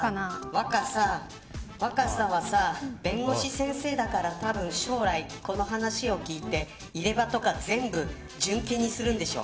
若狭は弁護士先生だから将来、この話を聞いて入れ歯とか全部純金にするんでしょ。